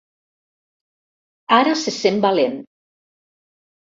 Ara se sent valent.